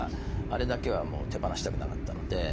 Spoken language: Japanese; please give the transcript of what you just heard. あれだけはもう手放したくなかったので。